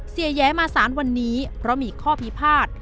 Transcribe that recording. แย้มาสารวันนี้เพราะมีข้อพิพาท